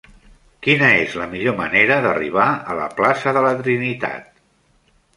Quina és la millor manera d'arribar a la plaça de la Trinitat?